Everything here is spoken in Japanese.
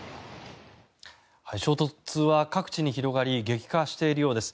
衝突は各地に広がり激化しているようです。